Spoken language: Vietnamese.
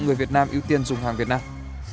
người việt nam ưu tiên dùng hàng việt nam